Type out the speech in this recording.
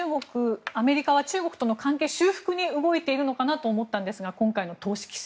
アメリカは中国との関係修復に動いているのかなと思ったんですが今回の投資規制